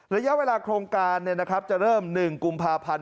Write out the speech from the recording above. ระยะเวลาโครงการจะเริ่ม๑กุมภาพันธ์